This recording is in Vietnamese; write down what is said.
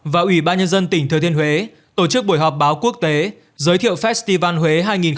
và ủy ban nhân dân tỉnh thừa thiên huế tổ chức buổi họp báo quốc tế giới thiệu festival huế hai nghìn một mươi chín